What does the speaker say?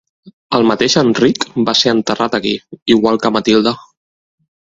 El mateix Enric va ser enterrat aquí, igual que Matilde.